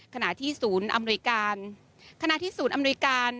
ขณะที่ศูนย์อำนวยการ